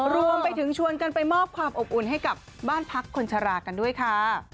รวมไปถึงชวนกันไปมอบความอบอุ่นให้กับบ้านพักคนชะลากันด้วยค่ะ